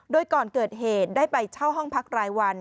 โดยก่อนเกิดเหตุได้ไปเช่าห้องพักรายวัน